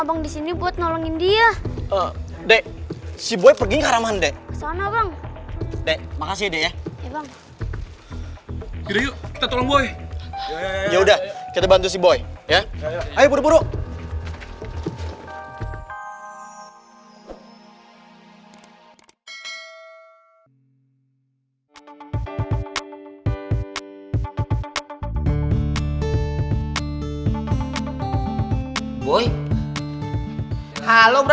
berita buruk apaan lagi sih